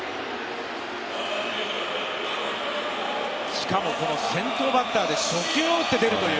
しかも先頭バッターで初球を打って出るという。